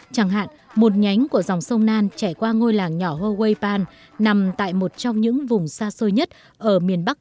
chẳng hạn một nhánh của dòng sông nan trải qua ngôi làng nhỏ huawei pan nằm tại một trong những vùng xa xôi nhất ở miền bắc